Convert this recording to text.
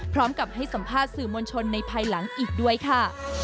พร้อมกับให้สัมภาษณ์สื่อมวลชนในภายหลังอีกด้วยค่ะ